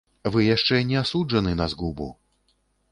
Вы яшчэ не асуджаны на згубу.